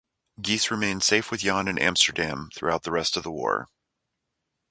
Gies remained safe with Jan in Amsterdam throughout the rest of the war.